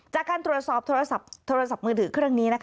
จากการตรวจสอบโทรศัพท์มือถือเครื่องนี้